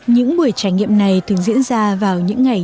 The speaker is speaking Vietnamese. những buổi trải nghiệm này thường diễn ra vào những ngày